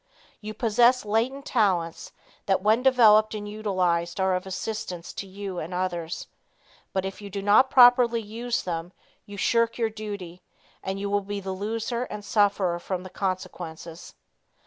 You possess latent talents, that when developed and utilized are of assistance to you and others. But if you do not properly use them, you shirk your duty, and you will be the loser and suffer from the consequences.